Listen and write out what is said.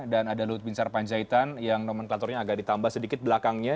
dan ada lut bin sarpanjaitan yang nomenklaturnya agak ditambah sedikit belakangnya